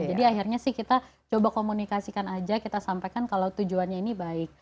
akhirnya sih kita coba komunikasikan aja kita sampaikan kalau tujuannya ini baik